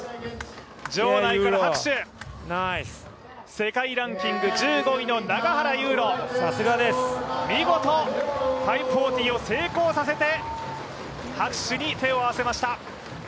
世界ランキング１５位の永原悠路、見事、５４０を成功させて拍手に手を合わせました。